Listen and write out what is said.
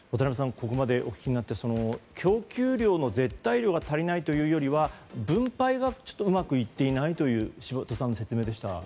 ここまでお聞きになって供給量の絶対量が足りないというよりは分配がうまくいっていないという柴戸さんの説明でしたね。